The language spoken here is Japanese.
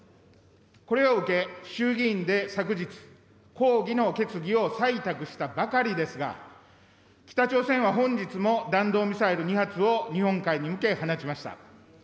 これを受け、衆議院で昨日、抗議の決議を採択したばかりですが、北朝鮮は本日も弾道ミサイル２発を日本海に向け、放ちました。